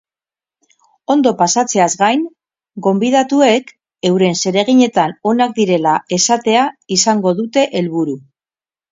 Ondo pasatzeaz gain, gonbidatuek euren zereginetan onak direla esatea izango dute helburu.